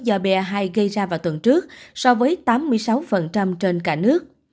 do ba hai gây ra vào tuần trước so với tám mươi sáu trên cả nước